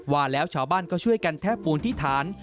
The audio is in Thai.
ว่าแล้วชาวบ้านก็ช่วยกันแท่ปูนที่ฐาน